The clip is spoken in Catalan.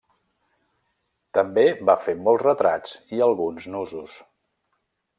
També va fer molts retrats i alguns nusos.